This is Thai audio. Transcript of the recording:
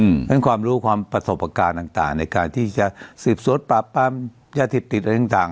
เพราะฉะนั้นความรู้ความประสบการณ์ต่างในการที่จะสืบสวนปราบปรามยาเสพติดอะไรต่าง